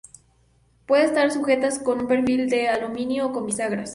Pueden estar sujetas con un perfil de aluminio o con bisagras.